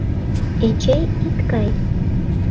Эчей, ит кай!